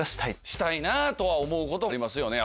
したいなぁ！とは思うこともありますよね。